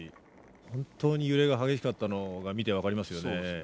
本当に揺れが激しかったのが見て分かりますよね。